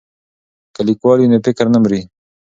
که لیکوال وي نو فکر نه مري.